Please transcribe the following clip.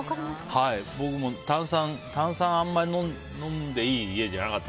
僕も炭酸はあんまり飲んでいい家じゃなかった。